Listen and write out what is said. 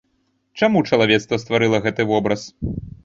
Чаму чалавецтва стварыла гэты вобраз?